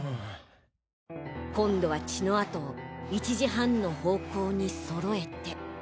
今度は血の跡を１時半の方向にそろえて。